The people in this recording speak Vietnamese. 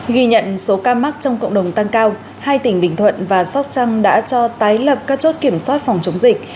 ghi nhận số ca mắc trong cộng đồng tăng cao hai tỉnh bình thuận và sóc trăng đã cho tái lập các chốt kiểm soát phòng chống dịch